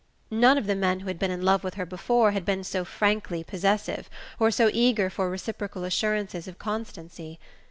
None of the men who had been in love with her before had been so frankly possessive, or so eager for reciprocal assurances of constancy.